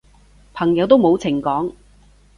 朋友都冇情講